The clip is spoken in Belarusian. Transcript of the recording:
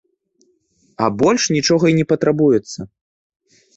А больш нічога і не патрабуецца!